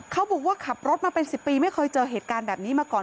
เขาบอกว่าขับรถมาเป็น๑๐ปีไม่เคยเจอเหตุการณ์แบบนี้มาก่อน